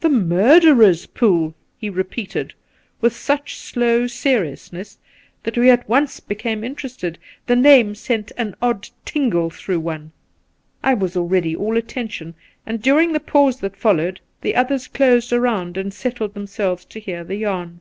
'The Murderer's Pool,' he repeated with such slow seriousness that we at once became interested ^the name sent an odd tingle through one. I was already all attention, and during the pause that followed the others closed around and settled themselves to hear the yarn.